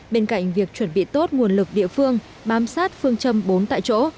bên cạnh việc chuẩn bị tốt nguồn lực địa phương bám sát phương châm bốn tại chỗ